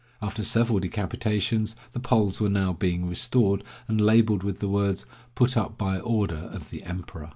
After several decapitations, the poles were now being restored, and labeled with the words, "Put up by order of the Emperor."